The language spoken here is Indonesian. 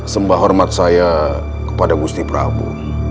sembah hormat saya kepada gusti prabowo